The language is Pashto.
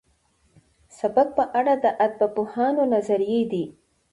سبک په اړه د ادبپوهانو نظريې دي.